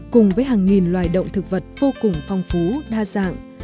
cùng với hàng nghìn loài động thực vật vô cùng phong phú đa dạng